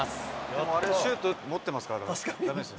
でもあれ、シュート持ってますからだめでしたよね。